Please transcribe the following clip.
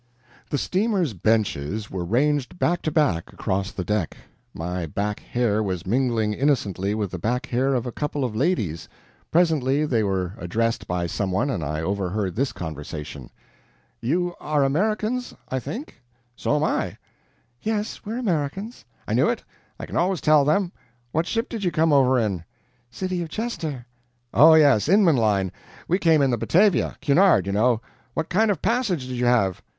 The steamer's benches were ranged back to back across the deck. My back hair was mingling innocently with the back hair of a couple of ladies. Presently they were addressed by some one and I overheard this conversation: "You are Americans, I think? So'm I." "Yes we are Americans." "I knew it I can always tell them. What ship did you come over in?" "CITY OF CHESTER." "Oh, yes Inman line. We came in the BATAVIA Cunard you know. What kind of a passage did you have?"